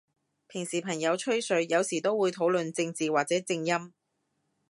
平時朋友吹水，有時都會討論正字或者正音？